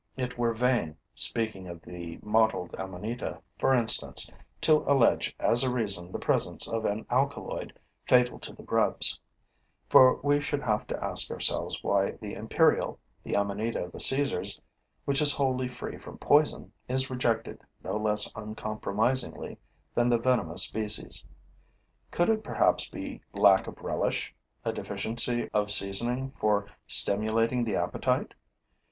It were vain, speaking of the mottled amanita, for instance, to allege as a reason the presence of an alkaloid fatal to the grubs, for we should have to ask ourselves why the imperial, the amanita of the Caesars, which is wholly free from poison, is rejected no less uncompromisingly than the venomous species. Could it perhaps be lack of relish, a deficiency of seasoning for stimulating the appetite?